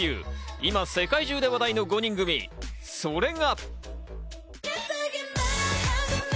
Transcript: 今、世界中で話題の５人組、それが。